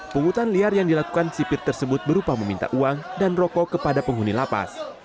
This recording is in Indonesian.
penghutan liar yang dilakukan sipir tersebut berupa meminta uang dan rokok kepada penghuni lapas